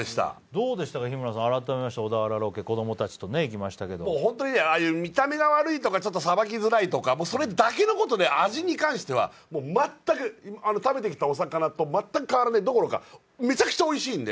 どうでした、改めて小田原ロケ、子供たちと行きましたけれども本当に見た目が悪いとか、さばきづらいとか、それだけのことで、味に関しては食べてきたお魚と全く変わらないどころかめちゃくちゃおいしいんで。